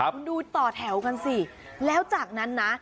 คุณดูต่อแถวกันสิแล้วจากนั้นนะ